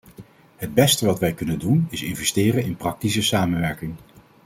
Het beste wat wij kunnen doen is investeren in praktische samenwerking.